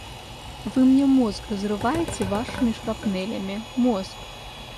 Вы мне мозг разрываете вашими шрапнелями, мозг!